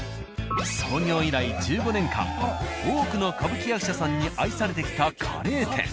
創業以来１５年間多くの歌舞伎役者さんに愛されてきたカレー店。